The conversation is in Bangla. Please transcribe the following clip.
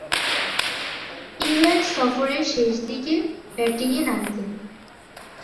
ইংল্যান্ড সফরের শেষদিকে ব্যাটিংয়ে নামতেন।